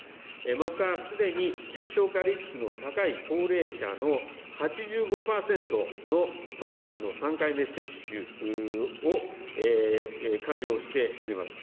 またすでに、重症化リスクの高い高齢者の８５％のワクチンの３回目接種を完了しております。